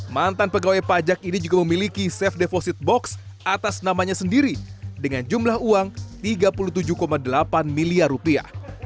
mantan pegawai pajak ini juga memiliki safe deposit box atas namanya sendiri dengan jumlah uang tiga puluh tujuh delapan miliar rupiah